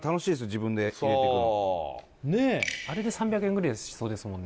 自分で入れてくのあれで３００円ぐらいしそうですもん